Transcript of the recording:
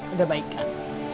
udah baik kan